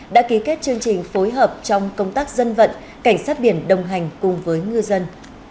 đã ký kết chương trình phối hợp trong công tác dân vận cảnh sát biển đồng hành cùng với ngư dân